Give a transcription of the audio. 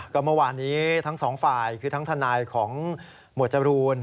ก็เมื่อวานนี้ทั้งสองฝ่ายคือทั้งทนายของหมวดจรูน